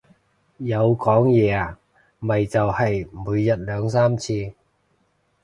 有講嘢啊，咪就係每日兩三次